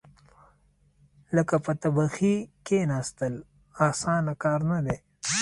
لکه په تبخي کېناستل، اسانه کار نه دی.